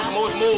semua semua semua